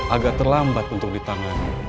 agak terlambat untuk ditangani